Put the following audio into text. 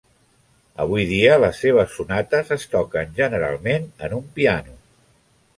Avui dia, les seves sonates es toquen generalment en un piano.